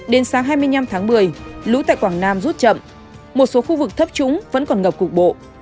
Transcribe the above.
đến sáng hai mươi năm tháng một mươi lũ tại quảng nam rút chậm một số khu vực thấp trúng vẫn còn ngập cục bộ